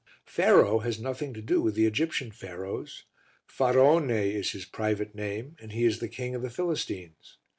Pharaoh has nothing to do with the Egyptian Pharaohs. Faraone is his private name and he is the king of the Philistines.